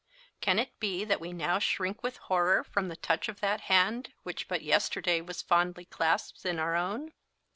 Can it be that we now shrink with horror from the touch of that hand which but yesterday was fondly clasped in our own?